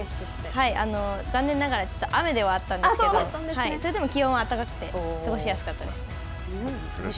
残念ながら雨ではあったんですけど、それでも気温は高くて、過ごしやすかったですね。